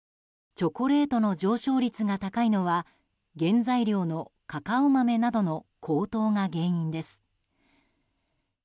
チョコレートの上昇率が高いのは原材料のカカオ豆などの高騰が原因です。